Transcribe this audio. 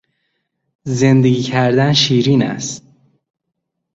زندگی کردن شیرین است.